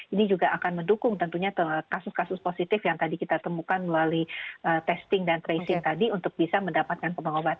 ini juga akan mendukung tentunya kasus kasus positif yang tadi kita temukan melalui testing dan tracing tadi untuk bisa mendapatkan pembangunan obat